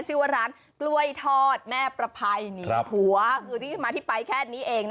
ชื่อว่าร้านกล้วยทอดแม่ประภัยหนีผัวคือที่มาที่ไปแค่นี้เอง